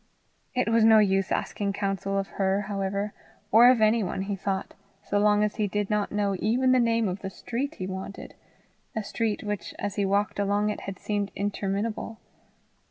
It was no use asking counsel of her, however, or of anyone, he thought, so long as he did not know even the name of the street he wanted a street which as he walked along it had seemed interminable.